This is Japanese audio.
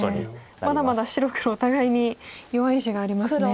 まだまだ白黒お互いに弱い石がありますね。